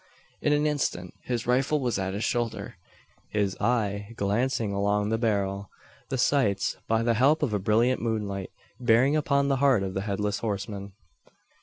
In an instant his rifle was at his shoulder, his eye glancing along the barrel; the sights, by the help of a brilliant moonlight, bearing upon the heart of the Headless Horseman.